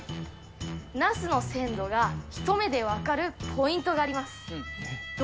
ナスの鮮度が一目で分かるポイントがあります。